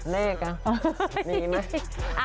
แรกอะ